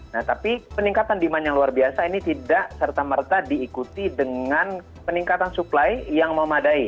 nah tapi peningkatan demand yang luar biasa ini tidak serta merta diikuti dengan peningkatan supply yang memadai